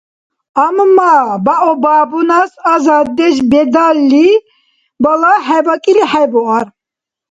Амма баобабунас азаддеш бедалли, балагь хӀебакӀили хӀебуар.